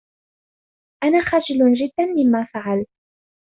أنا خجل جدا مما فعلت.